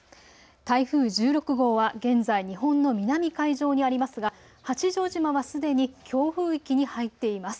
台風１６号は現在、日本の南海上にありますが、八丈島はすでに強風域に入っています。